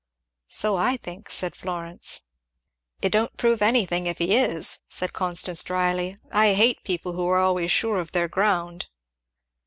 "So I think," said Florence. "It don't prove anything, if he is," said Constance dryly. "I hate people who are always sure of their ground!"